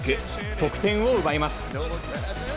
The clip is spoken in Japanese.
得点を奪います。